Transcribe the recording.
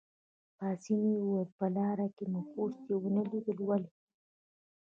پاسیني وویل: په لاره کې مو پوستې ونه لیدې، ولې؟